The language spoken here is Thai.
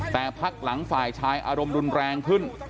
แต่พักหลังฝ่ายชายอารมณ์รุนแรงขึ้น